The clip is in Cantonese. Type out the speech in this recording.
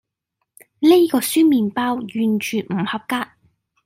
呢個酸麵包完全唔合格